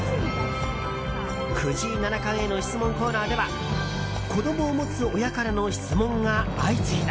藤井七冠への質問コーナーでは子供を持つ親からの質問が相次いだ。